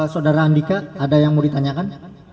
saudara andika ada yang mau ditanyakan